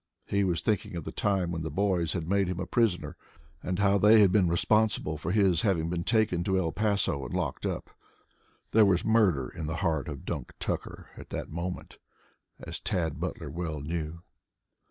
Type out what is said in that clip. He was thinking of the time when the boys had made him a prisoner and how they had been responsible for his having been taken to El Paso and locked up. There was murder in the heart of Dunk Tucker at that moment, as Tad Butler well knew.